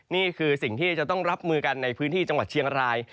นี่คือสิ่งที่จะต้องรับมือกันในพื้นที่จังหวัดเชียงราย